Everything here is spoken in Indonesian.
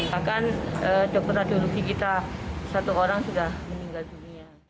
bahkan dokter radiologi kita satu orang sudah meninggal dunia